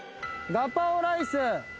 ガパオライス。